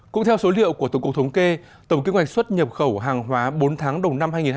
cũng theo số liệu của tổng cục thống kê tổng kinh ngạch xuất nhập khẩu hàng hóa bốn tháng đầu năm hai nghìn hai mươi ba